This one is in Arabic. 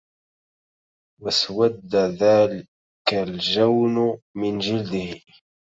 واسوَدَّ ذاكَ الجونُ من جِلده